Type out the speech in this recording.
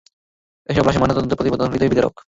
এসব লাশের ময়নাতদন্ত প্রতিবেদন হৃদয়বিদারক।